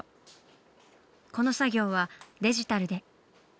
この作業はデジタルで。